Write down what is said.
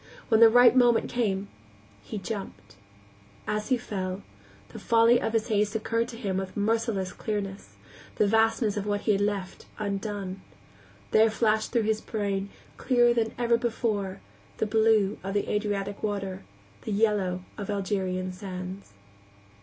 When the right moment came, he jumped. As he fell, the folly of his haste occurred to him with merciless clearness, the vastness of what he had left undone. There flashed through his brain, clearer than ever before, the blue of Adriatic water, the yellow of Algerian sands.